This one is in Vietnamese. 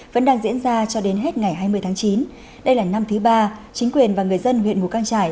vẫn đang diễn ra cho đến hết ngày hai mươi tháng chín đây là năm thứ ba chính quyền và người dân huyện ngũ căng trải